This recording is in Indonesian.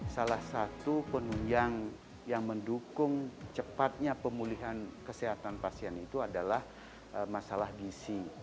salah satu penunjang yang mendukung cepatnya pemulihan kesehatan pasien itu adalah masalah gisi